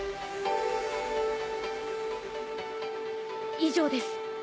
以上です。